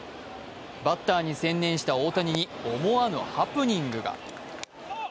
バッターに専念した大谷に思わぬハプニングが。